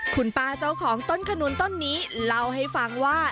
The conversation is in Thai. คุณป้าเจ้าของต้นขนุนต้นนี้เล่าให้ฟังว่า